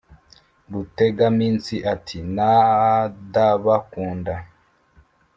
” rutegaminsi ati: “nadabakunda